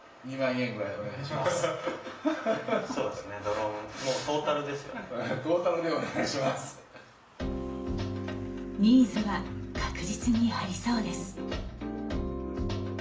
ニーズは確実にありそうです。